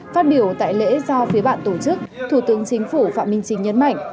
phát biểu tại lễ do phía bạn tổ chức thủ tướng chính phủ phạm minh chính nhấn mạnh